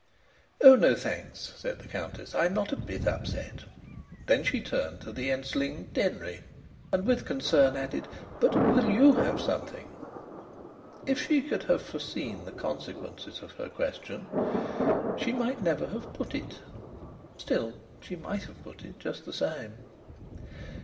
"Oh no, thanks," said the Countess. "I'm not a bit upset." Then she turned to the enslinged Denry and with concern added: "But will you have something?" If she could have foreseen the consequences of her question, she might never have put it. Still, she might have put it just the same.